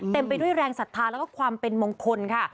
ไปด้วยแรงศรัทธาแล้วก็ความเป็นมงคลค่ะ